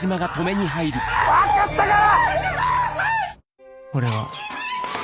分かったから！